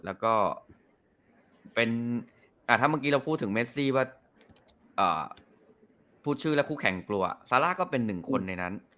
แล้วก็ถ้าเมื่อกี้เราพูดถึงเมซี่ว่าพูดชื่อแล้วคู่แข่งกลัวซาร่าก็เป็นหนึ่งคนในนั้น